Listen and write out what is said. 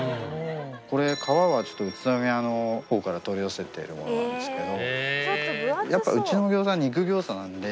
これ皮は宇都宮のほうから取り寄せているものなんですけど。